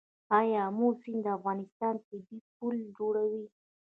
آیا امو سیند د افغانستان طبیعي پوله جوړوي؟